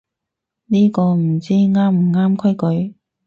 呢個唔知啱唔啱規矩